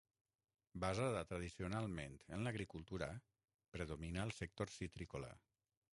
Basada tradicionalment en l'agricultura, predomina el sector citrícola.